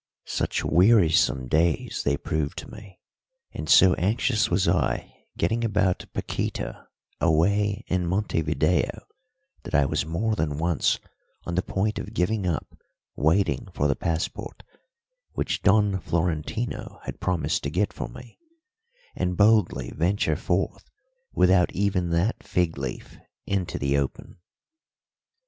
_ Such wearisome days they proved to me, and so anxious was I getting about Paquíta away in Montevideo, that I was more than once on the point of giving up waiting for the passport, which Don Florentino had promised to get for me, and boldly venture forth without even that fig leaf into the open.